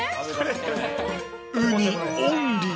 ウニオンリー。